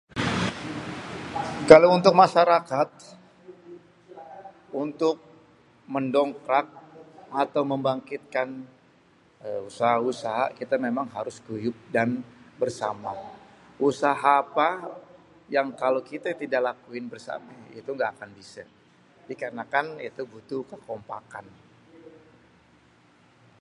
Kalo untuk masyarakat, untuk mendongkrak atau membangkitkan êêê usaha-usaha kita memang harus guyub dan bersama. Usaha apa yang kalo kité tidak lakuin bersamé itu nggak akan bisé. Dikarnakan itu butuh kekompakkan.